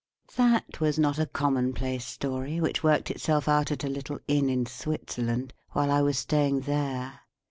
That was not a commonplace story which worked itself out at a little Inn in Switzerland, while I was staying there.